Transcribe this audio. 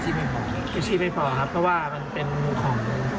เพราะว่ามันเป็นของ